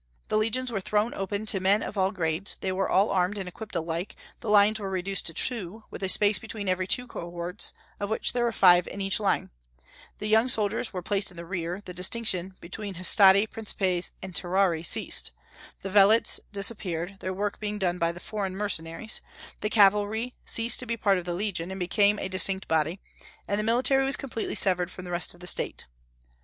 The legions were thrown open to men of all grades; they were all armed and equipped alike; the lines were reduced to two, with a space between every two cohorts, of which there were five in each line; the young soldiers were placed in the rear; the distinction between Hastati, Principes, and Triarii ceased; the Velites disappeared, their work being done by the foreign mercenaries; the cavalry ceased to be part of the legion, and became a distinct body; and the military was completely severed from the rest of the State.